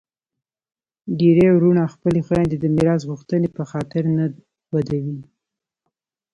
ډیری وروڼه خپلي خویندي د میراث غوښتني په خاطر نه ودوي.